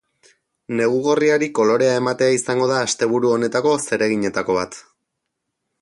Negu gorriari kolorea ematea izango da asteburu honetako zereginetako bat.